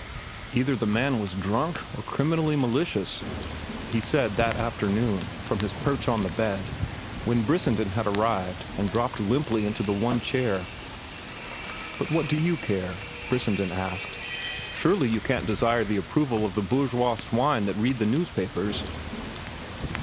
"Either the man was drunk or criminally malicious," he said that afternoon, from his perch on the bed, when Brissenden had arrived and dropped limply into the one chair. "But what do you care?" Brissenden asked. "Surely you don't desire the approval of the bourgeois swine that read the newspapers?"